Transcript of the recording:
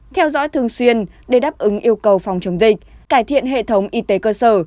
theo dõi thường xuyên để đáp ứng yêu cầu phòng chống dịch cải thiện hệ thống y tế cơ sở